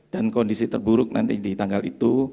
dan kondisi terburuk nanti di tanggal itu